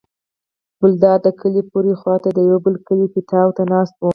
ګلداد د کلي پورې خوا ته د یوه بل کلي پیتاوي ته ناست و.